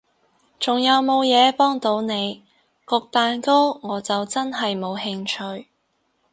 仲有無嘢幫到你？焗蛋糕我就真係冇興趣